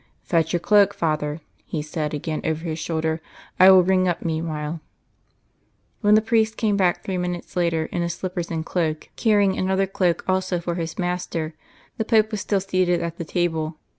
"Fetch your cloak, Father," He said again over His shoulder. "I will ring up meanwhile." When the priest came back three minutes later, in his slippers and cloak, carrying another cloak also for his master, the Pope was still seated at the table.